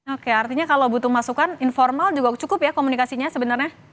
oke artinya kalau butuh masukan informal juga cukup ya komunikasinya sebenarnya